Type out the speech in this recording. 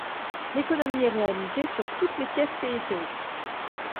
L'économie est réalisées sur toutes les pièces périphérique.